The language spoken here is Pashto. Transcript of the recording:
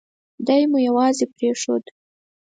دای مو یوازې پرېښود.